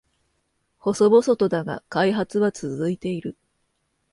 細々とだが開発は続いている